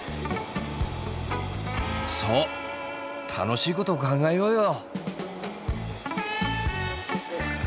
そう楽しいことを考えようよ。